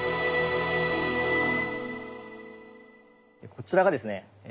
こちらがですね